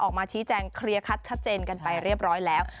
ออกมาชี้แจงเคลียร์คัดชัดเจนกันไปเรียบร้อยแล้ว